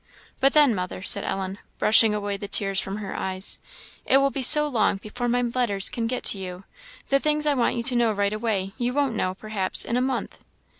"But then, mother," said Ellen, brushing away the tears from her eyes, "it will be so long before my letters can get to you! The things I want you to know right away, you won't know, perhaps, in a month."